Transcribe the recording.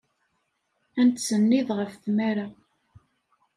Ad nettsennid ɣef tmara.